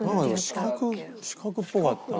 四角四角っぽかったな。